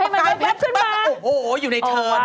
ประกายปรับถึงมาโอ้โหอยู่ในเทิร์น